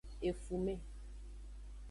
Efume.